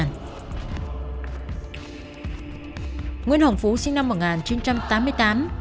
nguyễn hồng phú sinh năm một nghìn chín trăm tám mươi tám